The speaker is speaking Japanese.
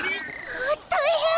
あったいへん！